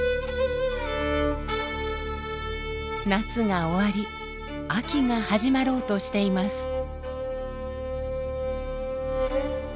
夏が終わり秋が始まろうとしています。